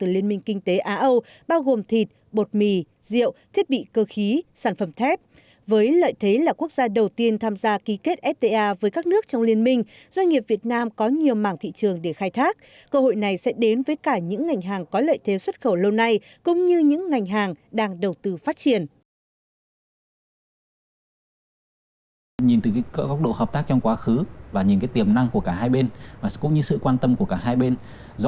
liên minh kinh tế á âu đã chính thức kết hiệp định mở ra trang mới trong quan hệ hợp tác giữa việt nam và liên minh nói riêng